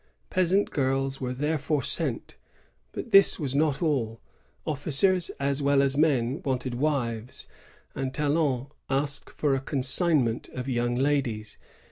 Peasant girls were therefore sent; but this was not all. Officers as well as men wanted wives; and Talon asked for a consignment of young ladies.